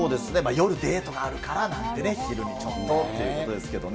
夜デートがあるからなんて、昼にちょっとということですけどね。